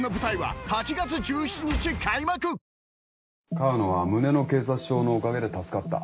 川野は胸の警察章のおかげで助かった。